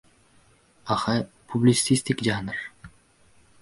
Aha, publitsistik janr!